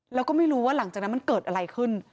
แล้วก็ไม่รู้ว่าหลังจากนั้นมันเกิดอะไรขึ้น